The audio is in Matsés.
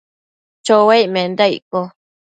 chouaic menda icco ?